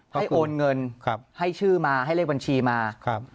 ให้โอนเงินให้ชื่อมาให้เลขบัญชีมา